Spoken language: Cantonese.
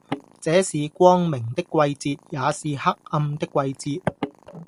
這是光明的季節，也是黑暗的季節，